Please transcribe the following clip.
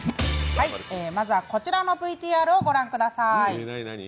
まずは、こちらのＶＴＲを御覧ください。